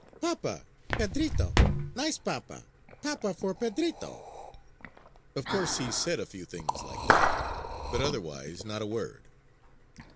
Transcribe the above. "Papa, Pedrito! Nice papa! Papa for Pedrito!" Of course, he said a few things like that. But otherwise, not a word.